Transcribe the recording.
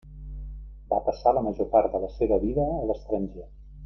Va passar la major part de la seva vida a l'estranger.